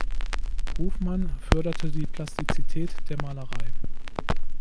Hofmann förderte die Plastizität der Malerei.